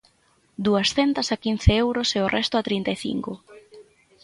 Duascentas a quince euros e o resto a trinta e cinco.